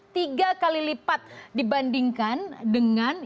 tiga kali lipat dibandingkan dengan